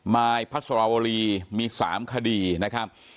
มายพัสรวรีมี๓คดีนะครับ